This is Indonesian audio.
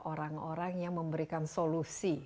orang orang yang memberikan solusi